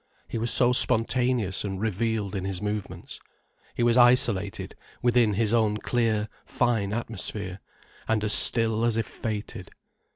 He was so spontaneous and revealed in his movements. He was isolated within his own clear, fine atmosphere, and as still as if fated.